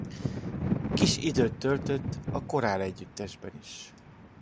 Kis időt töltött a Korál együttesben is.